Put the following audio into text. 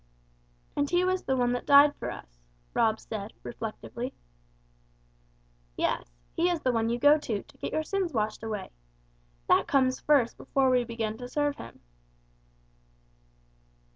"And He was the one that died for us," Rob said, reflectively. "Yes, He is the one you go to, to get your sins washed away. That comes first before we begin to serve Him."